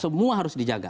semua harus dijaga